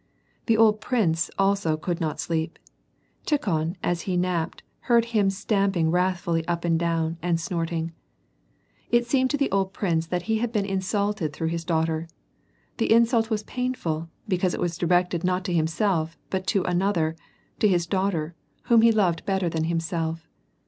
The old prince, also, could not sleep. Tikhon, as he napped, beard him stamping wrathfully up and down, and snorting. It seemed to the old prince that he had been insulted through his daughter. The insult was painful, because it was directed not to himself but to another, to his daughter, whom he loved bet ter than himself.